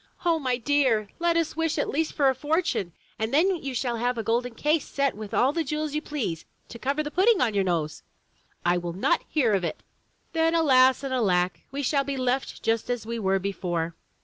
"O my dear! let us wish at least for a fortune, and then you shall have a golden case set with all the jewels you please, to cover the pudding on your nose!" l will not hear of it!" "Then, alas and alack, we shall be left just as we were before!"